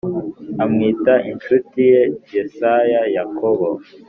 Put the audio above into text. Amwita incuti ye yesaya yakobo